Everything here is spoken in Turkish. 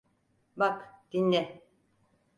Bak, dinle…